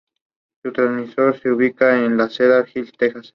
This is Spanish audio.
Su transmisor se ubica en Cedar Hill, Texas.